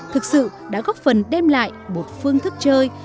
thực sự đã góp phần đem lại một phương thức chơi